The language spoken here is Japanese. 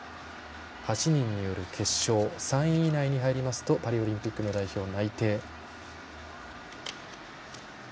８人による決勝３位以内に入りますとパリオリンピックの代表内定。